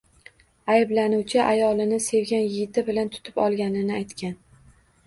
Ayblanuvchi ayolini sevgan yigiti bilan tutib olganini aytgan